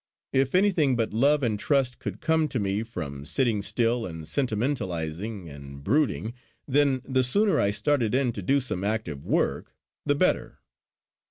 If anything but love and trust could come to me from sitting still and sentimentalising and brooding, then the sooner I started in to do some active work the better!...